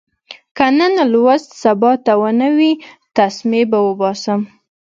که نن لوست سبا ته ونه وي، تسمې به اوباسم.